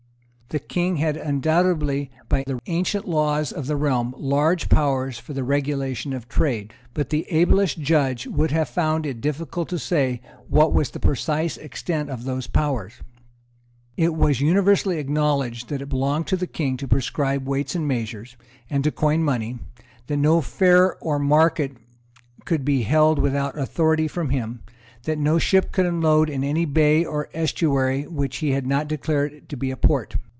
The King had undoubtedly, by the ancient laws of the realm, large powers for the regulation of trade; but the ablest judge would have found it difficult to say what was the precise extent of those powers. It was universally acknowledged that it belonged to the King to prescribe weights and measures, and to coin money; that no fair or market could be held without authority from him; that no ship could unload in any bay or estuary which he had not declared to be a port.